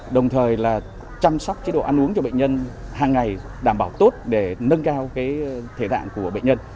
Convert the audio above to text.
đồng thời là chăm sóc chế độ ăn uống cho bệnh nhân hàng ngày đảm bảo tốt để nâng cao thể tạng của bệnh nhân